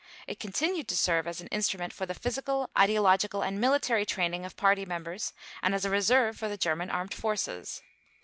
It continued to serve as an instrument for the physical, ideological, and military training of Party members and as a reserve for the German Armed Forces.